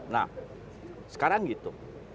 nah sekarang gitu